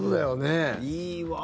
いいわ。